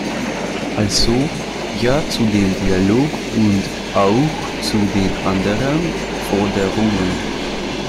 Also, Ja zu dem Dialog und auch zu den anderen Forderungen.